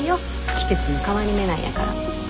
季節の変わり目なんやから。